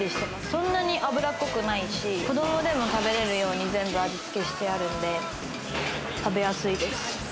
そんなに油っこくないし子供でも食べれるように全部味付けしてあるんで食べやすいです。